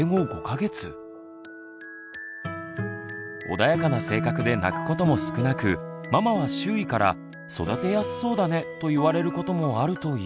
穏やかな性格で泣くことも少なくママは周囲から「育てやすそうだね」と言われることもあるといいます。